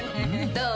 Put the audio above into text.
どう？